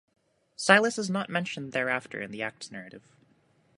Silas is not mentioned thereafter in the Acts narrative.